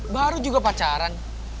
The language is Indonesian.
baru juga pacaran